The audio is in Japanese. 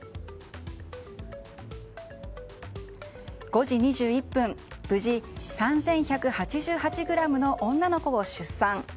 ５時２１分、無事３１８８ｇの女の子を出産。